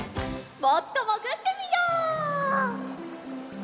もっともぐってみよう。